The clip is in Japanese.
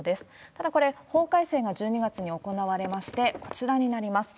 ただ、これ、法改正が１２月に行われまして、こちらになります。